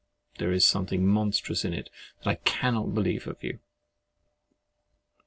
There is something monstrous in it, that I cannot believe of you.